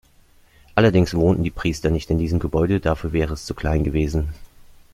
Allerdings wohnten die Priester nicht in diesem Gebäude, dafür wäre es zu klein gewesen.